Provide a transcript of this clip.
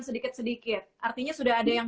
sedikit sedikit artinya sudah ada yang